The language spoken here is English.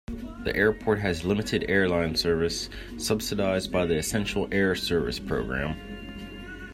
The airport has limited airline service, subsidized by the Essential Air Service program.